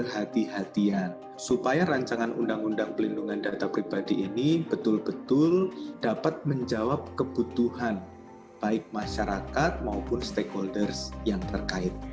hati hatian supaya rancangan undang undang pelindungan data pribadi ini betul betul dapat menjawab kebutuhan baik masyarakat maupun stakeholders yang terkait